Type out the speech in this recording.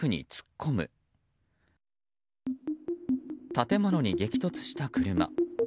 建物に激突した車。